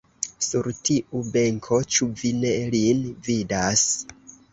Sur tiu benko, ĉu vi ne lin vidas!